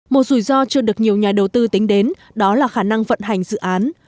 một rủi ro chưa được nhiều nhà đầu tư tính đến đó là khả năng vận hành dự án